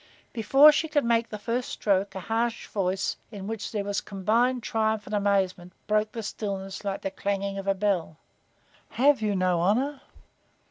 Before she could make the first stroke, a harsh voice, in which there was combined triumph and amazement, broke the stillness like the clanging of a bell. "Have you no honor?"